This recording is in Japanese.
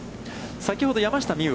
先ほど山下美夢